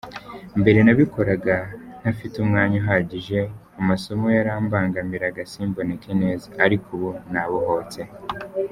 Mbere nabikoraga ntafite umwanya uhagije, amasomo yarambangamiraga simboneke neza ariko ubu nabohotse.